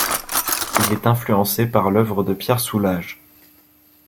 Il est influencé par l'œuvre de Pierre Soulages.